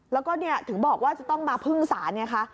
แล้วก็ถึงบอกว่าจะต้องมาพึ่งศาลไงคะ